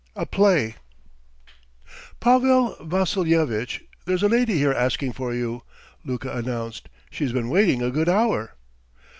A PLAY "PAVEL VASSILYEVITCH, there's a lady here, asking for you," Luka announced. "She's been waiting a good hour.